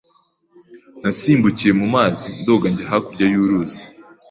Nasimbukiye mu mazi ndoga njya hakurya y'uruzi.